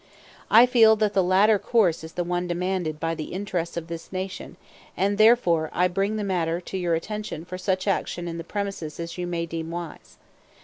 I feel that the latter course is the one demanded by the interests of this Nation, and I therefore bring the matter to your attention for such action in the premises as you may deem wise.